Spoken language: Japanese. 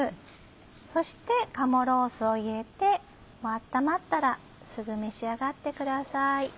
そして鴨ロースを入れて温まったらすぐ召し上がってください。